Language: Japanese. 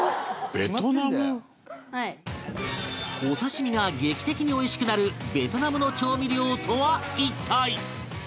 お刺身が劇的においしくなるベトナムの調味料とは一体